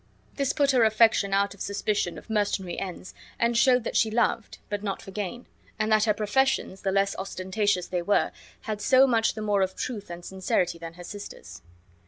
This put her affection out of suspicion of mercenary ends, and showed that she loved, but not for gain; and that her professions, the less ostentatious they were, had so much the more of truth and sincerity than her sisters'.